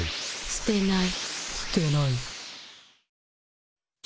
すてない。